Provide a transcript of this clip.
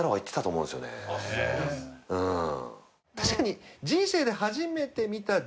確かに。